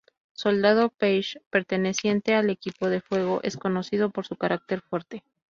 Soldado Paige: perteneciente al equipo de Fuego, es conocido por su carácter Fuerte.